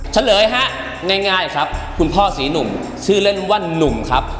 เฉลยฮะง่ายครับคุณพ่อศรีหนุ่มชื่อเล่นว่านุ่มครับ